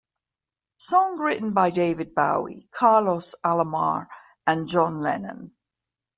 Song written by David Bowie, Carlos Alomar, and John Lennon.